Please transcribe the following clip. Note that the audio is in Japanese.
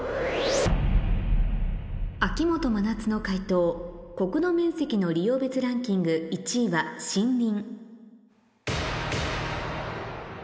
秋元真夏の解答国土面積の利用別ランキング１位は「森林」